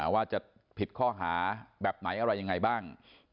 ว่าจะผิดข้อหาแบบไหนอะไรยังไงบ้าง